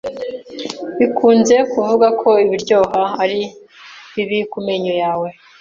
Bikunze kuvugwa ko ibiryoha ari bibi kumenyo yawe.